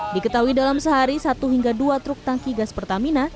diketahui dalam sehari satu hingga dua truk tangki gas pertamina